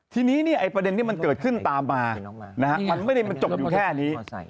ทีนี้ประเด็นที่มันเกิดขึ้นตามมามันไม่ได้มันจบอยู่แค่นี้